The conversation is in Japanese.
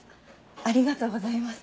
ありがとうございます。